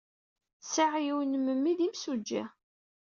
Sɛiɣ yiwen n memmi d imsujji.